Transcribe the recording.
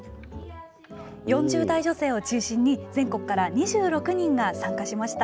４０代女性を中心に全国から２６人が参加しました。